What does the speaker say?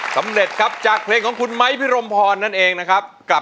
สำเร็จครับจากเพลงของคุณไม้พี่หรมพรนั่นเองเกิดอะไรแล้วครับ